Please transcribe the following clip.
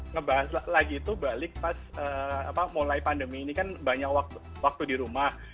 ngebahas lagi itu balik pas mulai pandemi ini kan banyak waktu di rumah